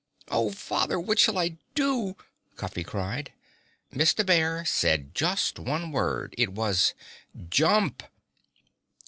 "Oh, Father! What shall I do?" Cuffy cried. Mr. Bear said just one word. It was _"Jump!"